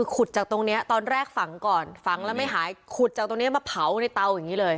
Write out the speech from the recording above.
ขุดจากตรงนี้ตอนแรกฝังก่อนฝังแล้วไม่หายขุดจากตรงนี้มาเผาในเตาอย่างนี้เลย